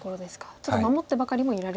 ちょっと守ってばかりもいられないんですね。